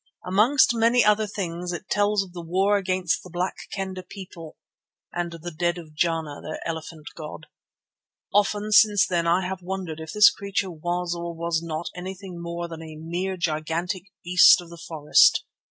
Amongst many other things it tells of the war against the Black Kendah people and the death of Jana, their elephant god. Often since then I have wondered if this creature was or was not anything more than a mere gigantic beast of the forest.